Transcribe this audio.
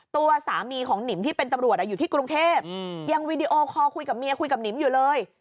ตัวสามีของหนิมที่เป็นตำรวจอยู่ที่กรุงเทพยังวีดีโอคอลคุยกับเมียคุยกับหนิมอยู่เลย